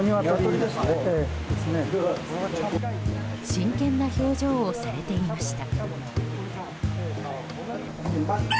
真剣な表情をされていました。